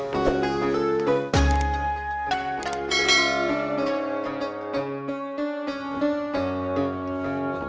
tidak ada anak anaknya